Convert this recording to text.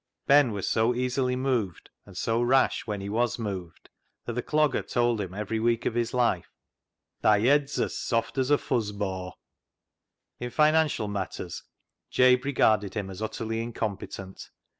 Ben was so easily moved, and so rash when he was moved, that the C logger told him every week of his life, " Thy yed's as sawft as a fuz baw" (ball). In financial matters Jabe regarded him as utterly incompetent.